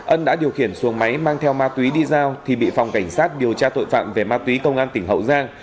ân đã điều khiển xuồng máy mang theo ma túy đi giao thì bị phòng cảnh sát điều tra tội phạm về ma túy công an tỉnh hậu giang